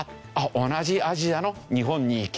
同じアジアの日本に行きたい。